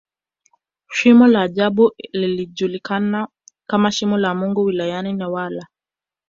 Shimo la ajabu lijulikanalo kama Shimo la Mungu wilayani Newala